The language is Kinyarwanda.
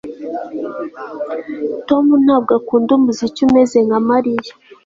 Tom ntabwo akunda umuziki umeze nka Mariya